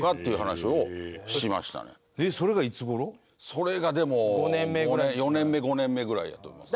それがでも４年目５年目ぐらいやと思います。